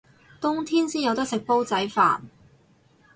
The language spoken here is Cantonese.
冬天先有得食煲仔飯